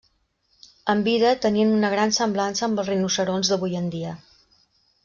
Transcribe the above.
En vida, tenien una gran semblança amb els rinoceronts d'avui en dia.